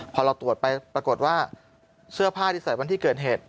พอเราตรวจไปปรากฏว่าเสื้อผ้าที่ใส่วันที่เกิดเหตุ